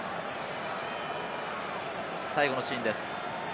最後のシーンです。